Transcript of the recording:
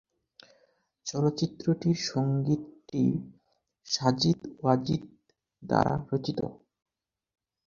চলচ্চিত্রটির সঙ্গীতটি সাজিদ-ওয়াজিদ দ্বারা রচিত।